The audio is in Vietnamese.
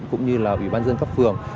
cũng như là ủy ban dân cấp phường